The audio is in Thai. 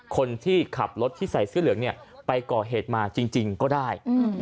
คนที่ขับรถที่ใส่เสื้อเหลืองเนี่ยไปก่อเหตุมาจริงก็ได้